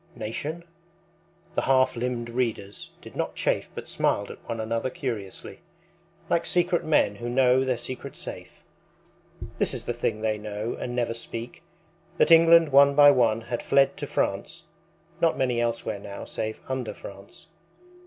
Nation? The half limbed readers did not chafe But smiled at one another curiously Like secret men who know their secret safe. This is the thing they know and never speak, That England one by one had fled to France (Not many elsewhere now save under France).